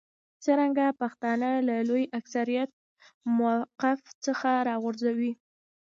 څرنګه پښتانه له لوی اکثریت موقف څخه راوغورځوي.